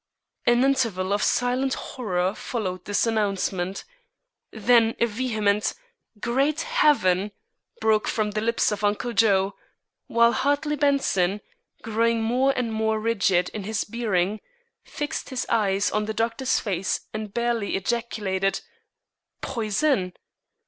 An interval of silent horror followed this announcement, then a vehement "Great Heaven!" broke from the lips of Uncle Joe, while Hartley Benson, growing more and more rigid in his bearing, fixed his eyes on the doctor's face and barely ejaculated: "Poison?"